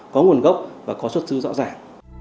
có nguồn gốc và có xuất sư rõ ràng